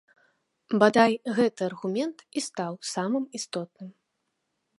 Бадай, гэты аргумент і стаў самым істотным.